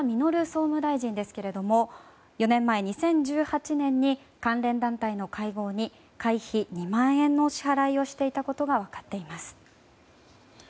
総務大臣ですが４年前の２０１８年に関連団体の会合に会費２万円の支払いをしていたことが分かっています。